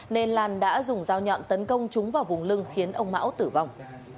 nên lan đã dùng dao nhọn tấn công chúng vào vùng lưng khiến ông mão tử vong